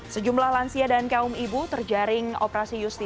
sejumlah lansia dan kaum ibu terjaring operasi justi